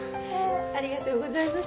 ありがとうございます。